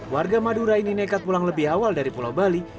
warga madura ini nekat pulang lebih awal dari pulau bali